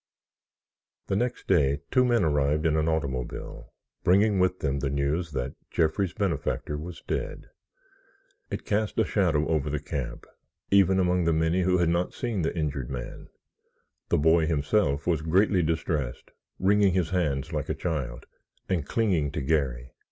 The next day two men arrived in an automobile, bringing with them the news that Jeffrey's benefactor was dead. It cast a shadow over the camp even among the many who had not seen the injured man. The boy himself was greatly distressed, wringing his hands like a child, and clinging to Garry.